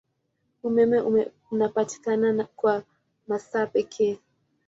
Umeme unapatikana kwa masaa pekee.